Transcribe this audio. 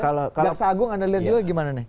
jaksa agung anda lihat juga gimana nih